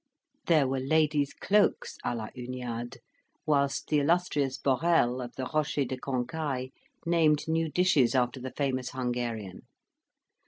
There were ladies' cloaks "a la Huniade," whilst the illustrious Borel, of the Rocher de Cancaile, named new dishes after the famous Hungarian.